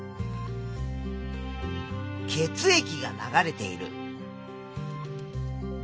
血液が流れている。